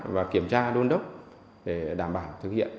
và kiểm tra đôn đốc để đảm bảo thực hiện